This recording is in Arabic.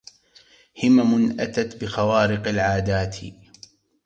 همم أتت بخوارق العادات